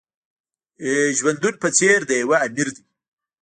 ژوندون په څېر د يوه آمر دی.